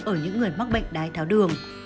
ở những người mắc bệnh đai tháo đường